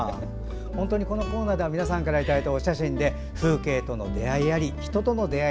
本当に、このコーナーでは皆さんからいただいたお写真で風景との出会い、人との出会い